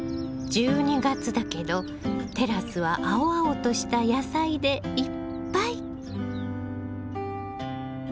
１２月だけどテラスは青々とした野菜でいっぱい。